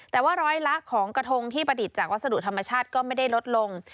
แต่ว่าร้อยละของกระทงที่ประดิษฐ์จากวัสดุธรรมชาติก็ไม่ได้ลดลง